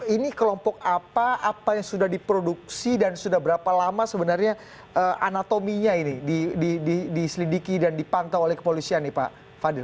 ini kelompok apa apa yang sudah diproduksi dan sudah berapa lama sebenarnya anatominya ini diselidiki dan dipantau oleh kepolisian nih pak fadil